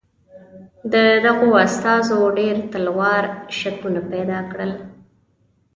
د دغو استازو ډېر تلوار شکونه پیدا کړل.